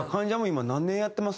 今何年やってます？